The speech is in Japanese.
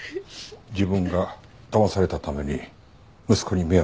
自分がだまされたために息子に迷惑をかけた。